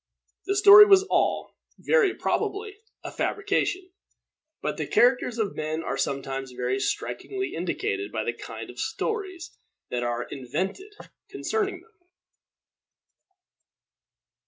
The story was all, very probably, a fabrication; but the characters of men are sometimes very strikingly indicated by the kind of stories that are invented concerning them.